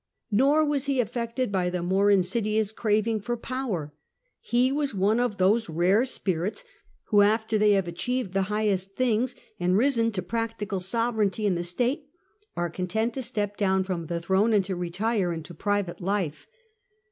Nor was he affected by the more insidious craving for power 5 he was one of those rare spirits who, after they have achieved the highest* things, and risen to practical sovereignty ip, the state, are content to step down from the thi'one and to retire into private life.